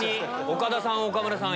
岡田さん岡村さん